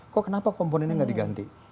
kok kenapa komponennya nggak diganti